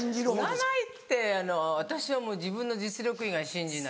占いって私はもう自分の実力以外信じない。